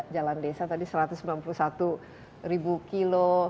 jalan desa tadi satu ratus sembilan puluh satu ribu kilo